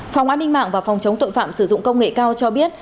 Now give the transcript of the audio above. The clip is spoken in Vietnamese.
phòng an ninh mạng và phòng chống tội phạm sử dụng công nghệ cao cho biết